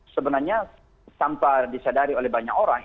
sebenarnya tanpa disadari oleh banyak orang